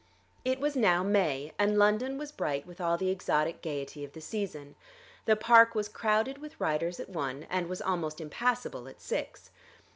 It was now May, and London was bright with all the exotic gaiety of the season. The park was crowded with riders at one, and was almost impassable at six.